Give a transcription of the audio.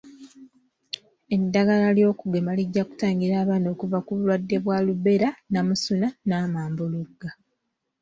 Eddagala ly'okugema lijja kutangira abaana okuva ku bulwadde bwa Ruberla-namusuna n'amambuluga.